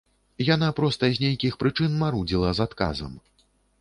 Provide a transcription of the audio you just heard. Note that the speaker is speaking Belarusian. Яна проста з нейкіх прычын марудзіла з адказам.